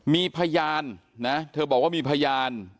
มีพยานนะเธอบอกว่ามีพยาน